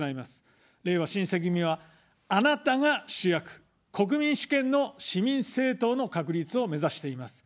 れいわ新選組は、あなたが主役、国民主権の市民政党の確立を目指しています。